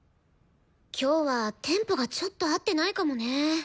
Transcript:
今日はテンポがちょっと合ってないかもね。